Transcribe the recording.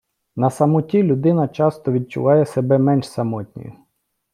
На самоті людина часто відчуває себе менш самотньою